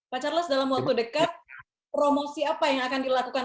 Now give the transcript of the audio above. pak charles dalam waktu dekat promosi apa yang akan dilakukan